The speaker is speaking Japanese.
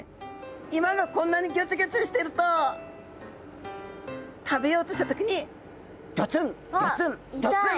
岩がこんなにギョツギョツしてると食べようとした時にゴツンゴツンゴツン！